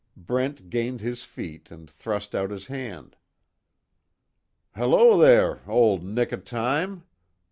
Brent gained his feet and thrust out his hand: "Hello, there, old Nick o' Time!